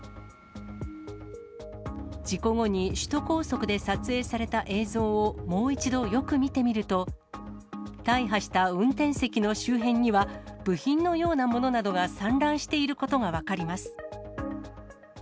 事故後に首都高速で撮影された映像をもう一度よく見てみると、大破した運転席の周辺には、部品のようなものなどが散乱していることが分かります。